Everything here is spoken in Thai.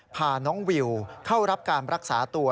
พาน้องวิวเข้ารับการรักษาตัว